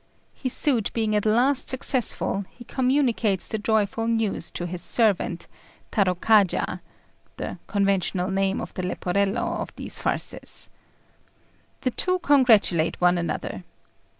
His suit being at last successful, he communicates the joyful news to his servant, Tarôkaja (the conventional name of the Leporello of these farces). The two congratulate one another.